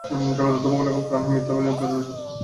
জগতের ধর্মগুলি এখন প্রাণহীন মিথ্যা অভিনয়ে পর্যবসিত।